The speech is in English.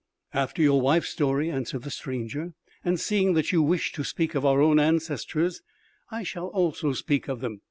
"After your wife's story," answered the stranger, "and seeing that you wish to speak of our own ancestors, I shall also speak of them